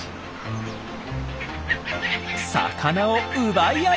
魚を奪い合い！